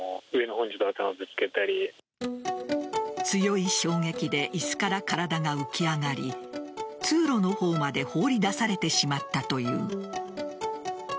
強い衝撃で椅子から体が浮き上がり通路の方まで放り出されてしまったという。